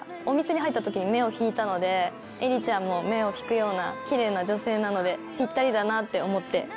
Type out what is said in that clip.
お店に入った時に目を引いたので絵理ちゃんも目を引くようなキレイな女性なのでピッタリだなって思って。